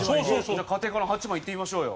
じゃあ家庭科の８番いってみましょうよ。